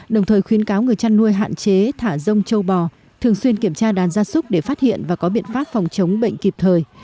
đồng thời khuyến cáo người chăn nuôi hạn chế thả rông châu bò thường xuyên kiểm tra đàn gia súc để phát hiện và có biện pháp phòng chống bệnh kịp thời